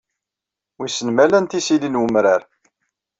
Wissen ma lant isili n umrar.